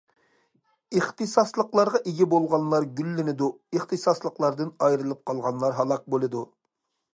« ئىختىساسلىقلارغا ئىگە بولغانلار گۈللىنىدۇ، ئىختىساسلىقلاردىن ئايرىلىپ قالغانلار ھالاك بولىدۇ».